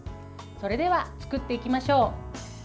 それでは作っていきましょう。